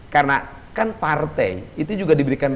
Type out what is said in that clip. karena kan partai itu juga diberikan